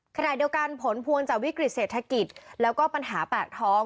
ขณะเดียวกันผลพวงจากวิกฤตเศรษฐกิจแล้วก็ปัญหาปากท้อง